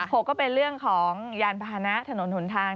หกก็เป็นเรื่องของยานพาหนะถนนหนทาง